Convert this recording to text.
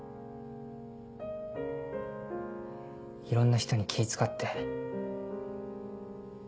いろんな人に気使って。